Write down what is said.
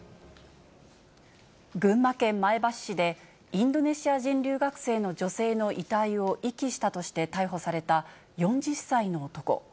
群馬県前橋市で、インドネシア人留学生の女性の遺体を遺棄したとして逮捕された、４０歳の男。